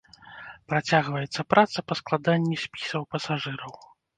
Працягваецца праца па складанні спісаў пасажыраў.